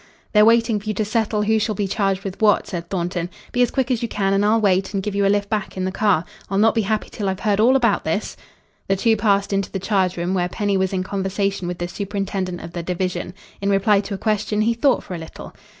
"They're waiting for you to settle who shall be charged with what," said Thornton. "Be as quick as you can, and I'll wait and give you a lift back in the car. I'll not be happy till I've heard all about this." The two passed into the charge room, where Penny was in conversation with the superintendent of the division. In reply to a question, he thought for a little.